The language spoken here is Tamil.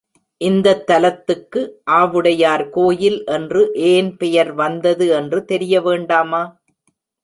இந்தத்தலத்துக்கு ஆவுடையார் கோயில் என்று ஏன் பெயர் வந்தது என்று தெரிய வேண்டாமா?